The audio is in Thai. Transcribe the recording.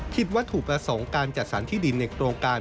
วัตถุประสงค์การจัดสรรที่ดินในโครงการ